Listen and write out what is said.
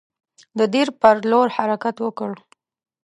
د دیر پر لور حرکت وکړ.